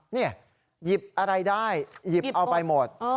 นี่หยิบอะไรได้หยิบเอาไปหมด